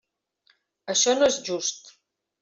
Això no és just.